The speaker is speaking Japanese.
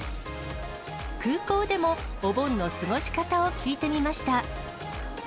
空港でもお盆の過ごし方を聞いてみました。